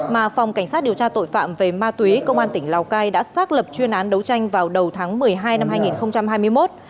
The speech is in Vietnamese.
mà phòng cảnh sát điều tra tội phạm về ma túy công an tỉnh lào cai đã xác lập chuyên án đấu tranh vào đầu tháng một mươi hai năm hai nghìn hai mươi một